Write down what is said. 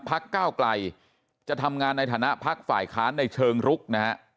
ก้าวไกลจะทำงานในฐานะพักฝ่ายค้านในเชิงรุกนะฮะ